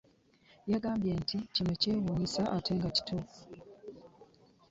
Yagambye nti Kino kyewunyisa ate nga kituufu.